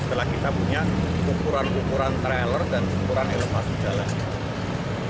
setelah kita punya ukuran ukuran trailer dan ukuran elevasi jalan